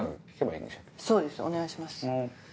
そうですお願いします。